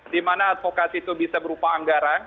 dimana advokasi itu bisa berupa anggaran